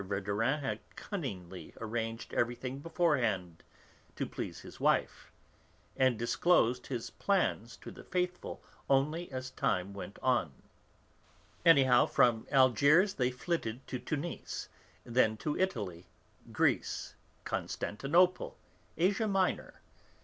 Verdurin had cunningly arranged everything beforehand, to please his wife, and disclosed his plans to the 'faithful' only as time went on; anyhow, from Algiers they flitted to Tunis; then to Italy, Greece, Constantinople, Asia Minor.